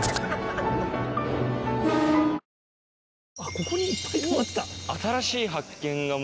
ここにいっぱいたまってた。